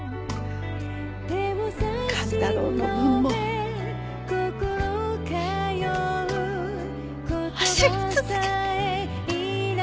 寛太郎の分も走り続けて。